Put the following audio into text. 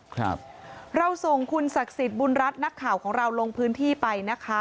ครับเราส่งคุณศักดิ์สิทธิ์บุญรัฐนักข่าวของเราลงพื้นที่ไปนะคะ